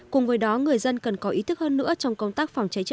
cùng với đó người dân cần có ý thức hơn nữa trong công tác phòng cháy chữa cháy